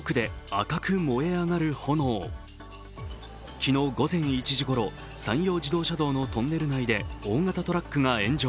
昨日午前１時ごろ、山陽自動車道のトンネル内で大型トラックが炎上。